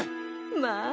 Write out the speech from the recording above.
まあ。